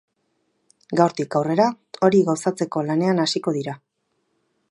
Gaurtik aurrera, hori gauzatzeko lanean hasiko dira.